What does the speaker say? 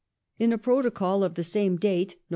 ^ ^In a Protocol of the same date (Nov.